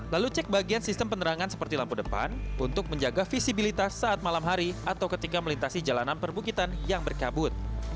lalu cek bagian sistem penerangan seperti lampu depan untuk menjaga visibilitas saat malam hari atau ketika melintasi jalanan perbukitan yang berkabut